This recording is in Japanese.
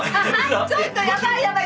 ちょっとやばいやばい！